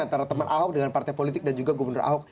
antara teman ahok dengan partai politik dan juga gubernur ahok